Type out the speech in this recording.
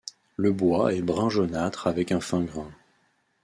Le bois est brun jaunâtre avec un fin grain.